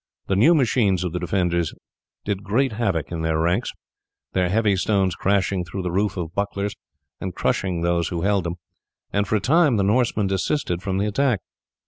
The new machines of the defenders did great havoc in their ranks, their heavy stones crashing through the roof of bucklers and crushing those who held them, and for a time the Norsemen desisted from the attack.